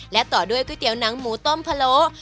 และต่อด้วยก๋วยเตี๋ยวน้ำหมูต้มภารก์